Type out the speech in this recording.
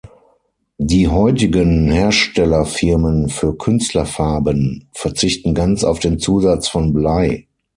Die heutigen Herstellerfirmen für Künstlerfarben verzichten ganz auf den Zusatz von Blei.